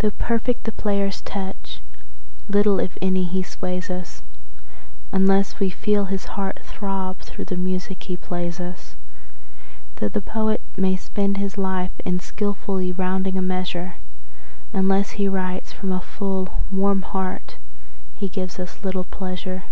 Though perfect the player's touch, little, if any, he sways us, Unless we feel his heart throb through the music he plays us. Though the poet may spend his life in skilfully rounding a measure, Unless he writes from a full, warm heart he gives us little pleasure.